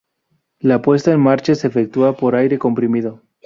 La puesta en marcha se efectúa por aire comprimido.